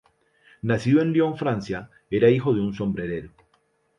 Nacido en Lyon, Francia, era hijo de un sombrerero.